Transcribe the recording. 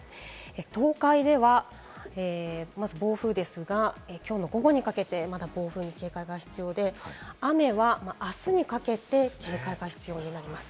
東海では、まず暴風ですが、きょうの午後にかけてまだ暴風に警戒が必要で、雨はあすにかけて警戒が必要になっています。